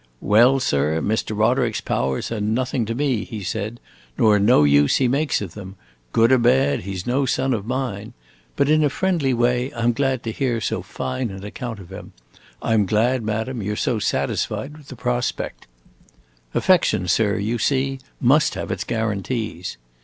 "Well, sir, Mr. Roderick's powers are nothing to me," he said, "nor no use he makes of them. Good or bad, he 's no son of mine. But, in a friendly way, I 'm glad to hear so fine an account of him. I 'm glad, madam, you 're so satisfied with the prospect. Affection, sir, you see, must have its guarantees!"